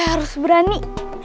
gue harus berani